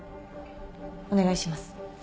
お願いします。